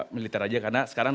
militer saja karena sekarang